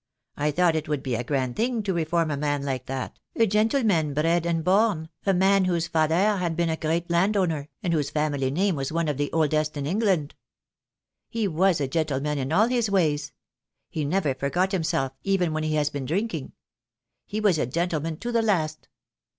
I thought it would be a grand thing to reform a man like that, a gentleman bred and born, a man whose father had been a great landowner, and whose family name was one of the oldest in England. He was a gentleman in all his ways. He never forgot himself even when he had been drinking. He was a gentleman to the last.